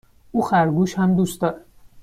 او خرگوش هم دوست دارد.